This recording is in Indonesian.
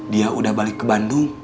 dia udah balik ke bandung